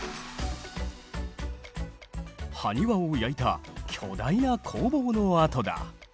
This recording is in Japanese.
ハニワを焼いた巨大な工房の跡だ。